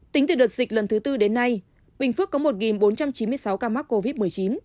tính từ đợt dịch lần thứ tư đến nay bình phước có một bốn trăm chín mươi sáu ca mắc covid một mươi chín